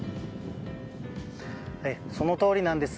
そのとおりなんです。